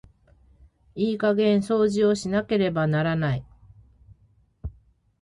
いい加減掃除をしなければならない。